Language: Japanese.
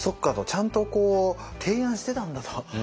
ちゃんと提案してたんだと。